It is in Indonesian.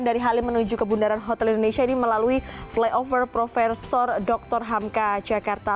dari halim menuju kebundaran hotel indonesia ini melalui flyover profesor dr hamka jakarta